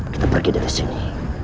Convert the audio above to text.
kita pergi dari sini